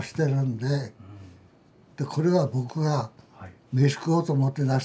でこれは僕が飯食おうと思って出したわけです。